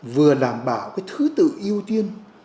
vừa đảm bảo cái thứ tự ưu tiên